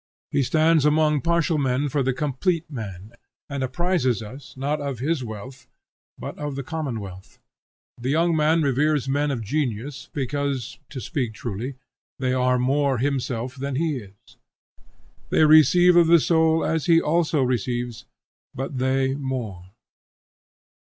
He stands among partial men for the complete man, and apprises us not of his wealth, but of the common wealth. The young man reveres men of genius, because, to speak truly, they are more himself than he is. They receive of the soul as he also receives, but they more.